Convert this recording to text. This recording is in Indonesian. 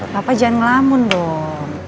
papa jangan ngelamun dong